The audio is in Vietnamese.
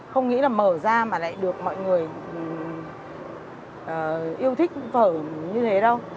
không nghĩ là mở ra mà lại được mọi người yêu thích phở như thế đâu